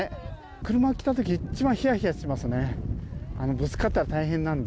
車来たとき、一番ひやひやしますよね。